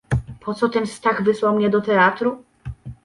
"Poco ten Stach wysłał mnie do teatru!..."